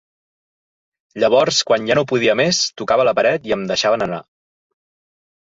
Llavors, quan ja no podia més, tocava la paret i em deixaven anar.